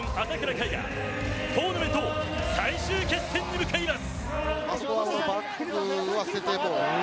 海がトーナメント最終決戦に向かいます。